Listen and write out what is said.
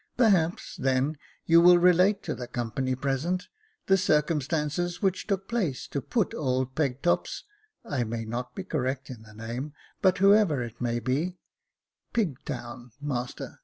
"Perhaps, then, you will relate to the company present, the circumstances which took place to put old Pegtop's — (I may not be correct in the name) but whoever it may be "" Pigtown, master."